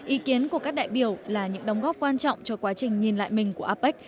ý kiến của các đại biểu là những đóng góp quan trọng cho quá trình nhìn lại mình của apec